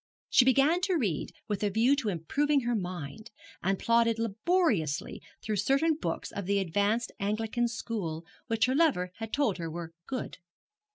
She began to read with a view to improving her mind, and plodded laboriously through certain books of the advanced Anglican school which her lover had told her were good.